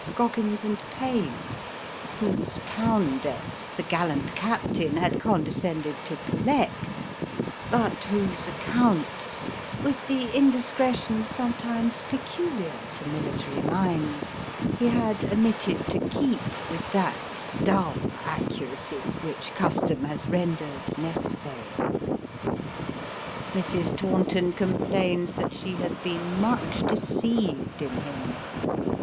Scroggins and Payne, whose town debts the gallant captain had condescended to collect, but whoso accounts, with the indiscretion sometimes peculiar to military minds, he had omitted to keep with that dull accuracy which custom has rendered necessary. Mrs. Taunton complains that she has been much deceived in him.